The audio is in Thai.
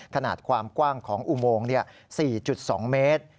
ขนาดความกว้างของอุโมง๔๒เมตร